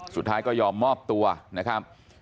สุดท้ายก็ยอมมอบตัวนะครับ